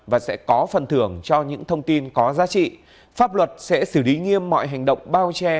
và sẽ có phần thưởng cho những thông tin có giá trị pháp luật sẽ xử lý nghiêm mọi hành động bao che